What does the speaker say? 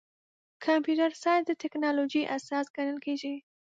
کمپیوټر ساینس د ټکنالوژۍ اساس ګڼل کېږي.